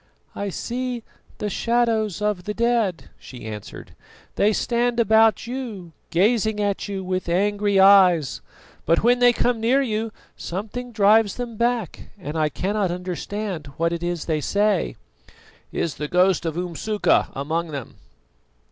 "I see the shadows of the dead," she answered; "they stand about you, gazing at you with angry eyes; but when they come near you, something drives them back, and I cannot understand what it is they say." "Is the ghost of Umsuka among them?"